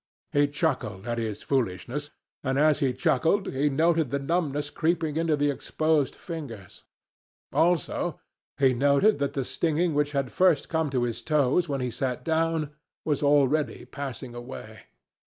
He chuckled at his foolishness, and as he chuckled he noted the numbness creeping into the exposed fingers. Also, he noted that the stinging which had first come to his toes when he sat down was already passing away.